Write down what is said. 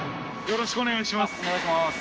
よろしくお願いします。